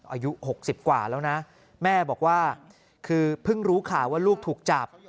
อายุ๖๐กว่าแล้วนะแม่บอกว่าคือเพิ่งรู้ข่าวว่าลูกถูกจับ